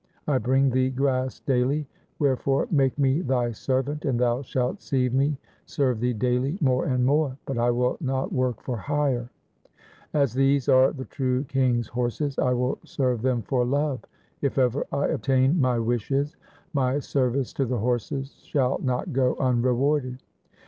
1 I bring thee grass daily ; wherefore make me thy servant and thou shalt see me serve thee daily more and more, but I will not work for hire. As these are the true King's horses, I will serve them for love. If ever I obtain my wishes, my service to the horses shall not go unrewarded.'